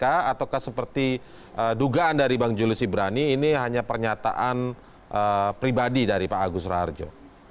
ataukah seperti dugaan dari bang juli sibrani ini hanya pernyataan pribadi dari pak agus raharjo